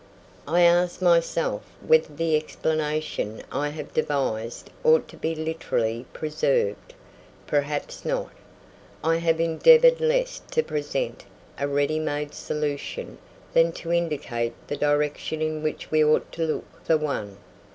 I ask myself whether the explanation I have devised ought to be literally preserved. Perhaps not. I have endeavoured less to present a ready made solution than to indicate the direction in which we ought to look for one.